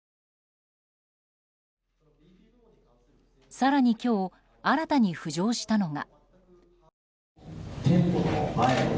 更に今日、新たに浮上したのが。